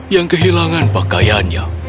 yang kehilangan pakaian